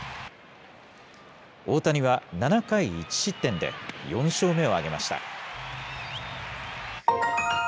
大谷は７回１失点で、４勝目を挙げました。